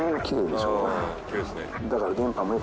だから。